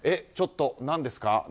ちょっと何ですか？